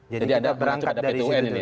jadi kita berangkat dari situ dulu ya